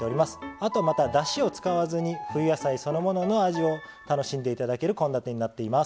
あとまただしを使わずに冬野菜そのものの味を楽しんで頂ける献立になっています。